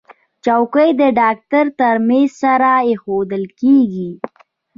چوکۍ د ډاکټر تر میز سره ایښودل کېږي.